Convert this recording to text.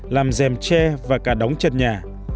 làm dèm tre và cả đóng chân nhà